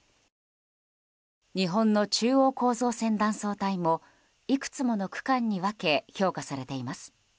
日本の中央構造線断層帯もいくつもの区間に分け評価されています。